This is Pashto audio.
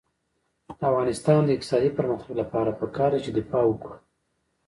د افغانستان د اقتصادي پرمختګ لپاره پکار ده چې دفاع وکړو.